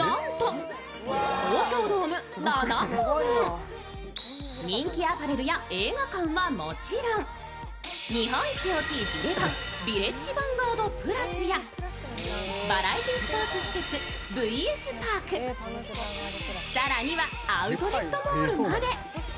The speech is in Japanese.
敷人気アパレルや映画館はもちろん、日本一大きいヴィレヴァン、ヴィレッジヴァンガードプラスやバラエティースポーツ施設、ＶＳＰＡＲＫ、更にはアウトレットモールまで。